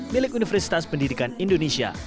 milik universitas pendidikan indonesia